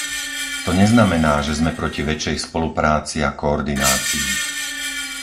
To neznamená, že sme proti väčšej spolupráci a koordinácii.